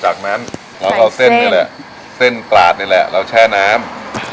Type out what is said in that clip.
จากนั้นเราก็เอาเส้นนี่แหละเส้นกราดนี่แหละเราแช่น้ำ